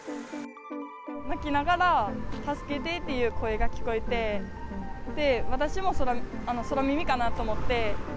泣きながら、助けてっていう声が聞こえて、で、私もそら耳かなと思って。